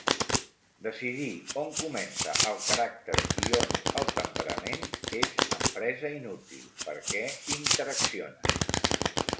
Decidir on comença el caràcter i on el temperament és empresa inútil, perquè interaccionen.